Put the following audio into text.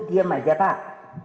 diam aja pak